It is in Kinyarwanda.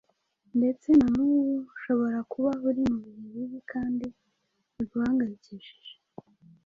ndetse na n’ubu ushobara kuba uri mu bihe bibi kandi biguhangayikishije.